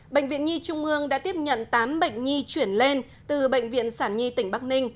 bệnh viện nhi trung ương đã tiếp nhận tám bệnh nhi chuyển lên từ bệnh viện sản nhi tỉnh bắc ninh